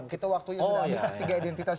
kita waktunya sudah ada tiga identitas